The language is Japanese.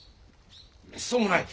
めっそうもない。